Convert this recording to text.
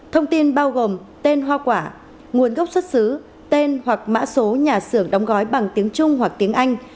thông tin bao gồm tên hoa quả nguồn gốc xuất xứ tên hoặc mã số nhà xưởng đóng gói bằng tiếng trung hoặc tiếng anh